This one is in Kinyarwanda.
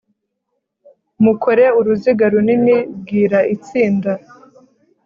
mukore uruziga runini bwira itsinda